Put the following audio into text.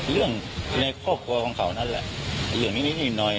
ในครอบครัวของเขานั่นแหละเรื่องนิดหน่อย